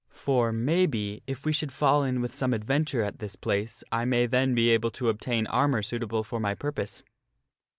For, maybe, if we should fall in with some adventure at this place I may then be able to obtain armor suitable for my purpose."